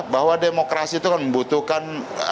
bahwa demokrasi itu kan membutuhkan